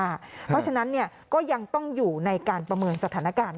เพราะฉะนั้นก็ยังต้องอยู่ในการประเมินสถานการณ์